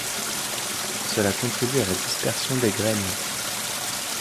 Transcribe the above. Cela contribue à la dispersion des graines.